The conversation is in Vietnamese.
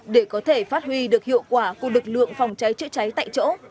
để có thể phát huy được hiệu quả của lực lượng phòng cháy chữa cháy tại chỗ